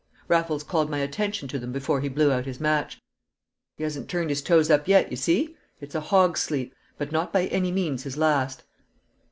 Raffles called my attention to them before he blew out his match. "He hasn't turned his toes up yet, you see! It's a hog's sleep, but not by any means his last."